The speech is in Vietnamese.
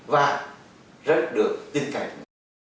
và rất được tin cạnh